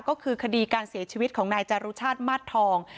ก็คือคดีการเสียชีวิตของนายจารุชาติมาสทอง